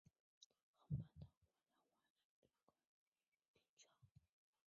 恒春半岛成立国家公园之计画在日治时期即有学者提倡。